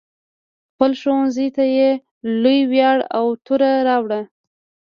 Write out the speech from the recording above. خپل ښوونځي ته یې لوی ویاړ او توره راوړه.